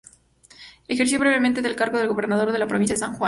Ejerció brevemente el cargo de gobernador de la provincia de San Juan.